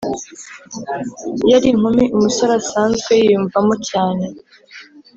Iyo ari inkumi umusore asanzwe yiyunva mo cyane